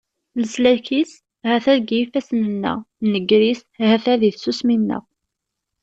Leslak-is ha-t-a deg yifassen-nneɣ, nnger-is ha-t-a deg tsusmi-nneɣ.